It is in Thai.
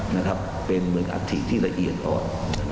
นะครับเป็นเหมือนอัฐิที่ละเอียดอ่อน